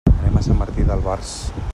Anem a Sant Martí d'Albars.